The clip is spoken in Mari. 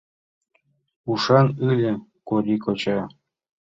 Ушан ыле Кори коча.